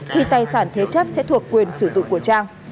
thì tài sản thế chấp sẽ thuộc quyền sử dụng của trang